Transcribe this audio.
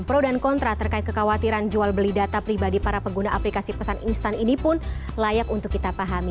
pro dan kontra terkait kekhawatiran jual beli data pribadi para pengguna aplikasi pesan instan ini pun layak untuk kita pahami